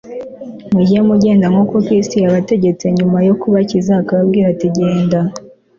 mujye mugenza nk'uko kristo yabategetse nyuma yo kubakiza akababwira ati, genda